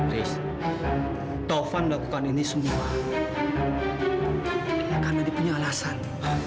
riz tovan melakukan ini semua karena dia punya alasan